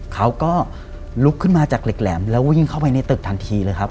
เขาก็ลุกขึ้นมาจากเหล็กแหลมแล้วก็วิ่งเข้าไปในตึกทันทีเลยครับ